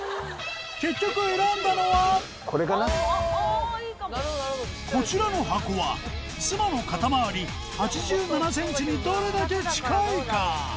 結局選んだのはこちらの箱は妻の肩回り８７ｃｍにどれだけ近いか？